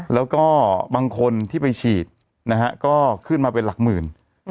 แล้วก็บางคนที่ไปฉีดนะฮะก็ขึ้นมาเป็นหลักหมื่น